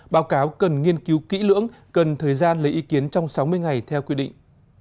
báo cáo cần nghiên cứu kỹ lưỡng cần thời gian lấy ý kiến trong sáu mươi ngày theo quy định